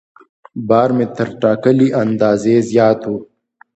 بار مې تر ټاکلي اندازې زیات و.